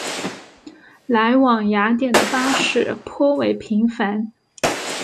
来往雅典的巴士颇为频繁。